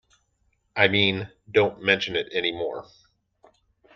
I mean, don't mention it any more.